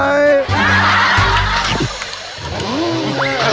อันนี้ลุย